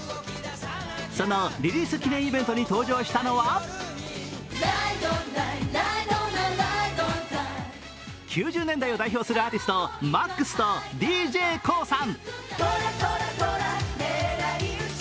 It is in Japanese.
そのリリース記念イベントに登場したのは９０年代を代表するアーティストＭＡＸとＤＪＫＯＯさん。